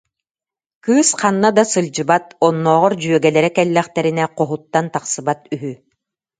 Кыыс ханна да сылдьыбат, оннооҕор дьүөгэлэрэ кэллэхтэринэ хоһуттан тахсыбат үһү